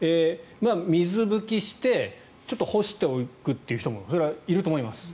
水拭きしてちょっと干しておくという人もそれはいると思います。